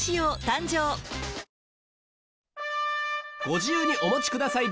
ご自由にお持ちください